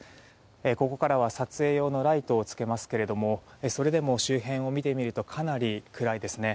ここからは撮影用のライトをつけますけどそれでも周辺を見てみるとかなり暗いですね。